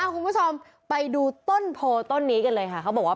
คุณผู้ชมไปดูต้นโพลต้นนี้เลยไปเลยค่ะ